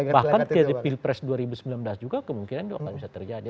bahkan ke pilpres dua ribu sembilan belas juga kemungkinan itu akan bisa terjadi